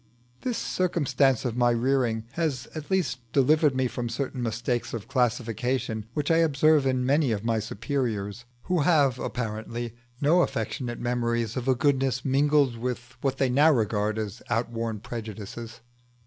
This circumstance of my rearing has at least delivered me from certain mistakes of classification which I observe in many of my superiors, who have apparently no affectionate memories of a goodness mingled with what they now regard as outworn prejudices.